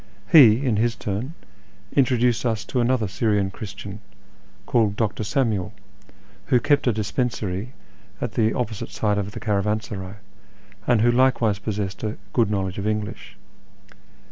He, in his turn, introduced us to another Syrian Christian, called Dr. Samuel, who kept a dispensary at the opposite side of the caravansaray, and who likewise possessed a good knowledge of English.